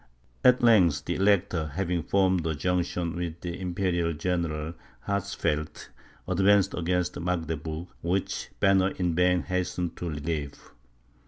At length, the Elector, having formed a junction with the Imperial General Hatzfeld, advanced against Magdeburg, which Banner in vain hastened to relieve.